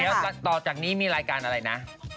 เดี๋ยวก็ต่อจากนี้มีรายการอะไรนะ